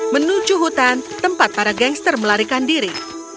menuju hutan tempat para gangster melarikan diri